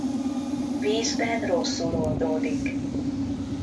Vízben rosszul oldódik.